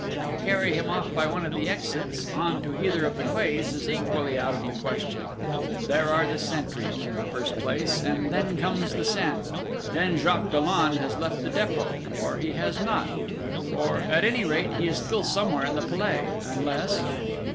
To carry him off by one of the exits, on to either of the quays, is equally out of the question: there are the sentries, in the first place, and then comes the Seine then Jacques Dollon has left the Dépôt, or he has not, or, at any rate, he is still somewhere in the Palais unless